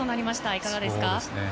いかがですか？